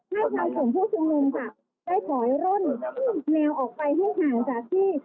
ให้ทางกลุ่มผู้ชุมนุมค่ะได้ถอยร่นแนวออกไปให้ห่างจากที่